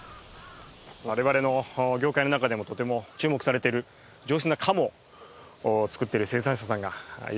我々の業界の中でもとても注目されてる上質な鴨を作ってる生産者さんがいらっしゃって。